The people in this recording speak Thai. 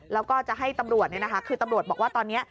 แล้วก็จะให้ตำรวจคือตำรวจบอกว่าตอนนี้